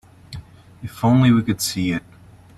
If only we could see it.